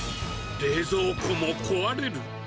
冷蔵庫も壊れる。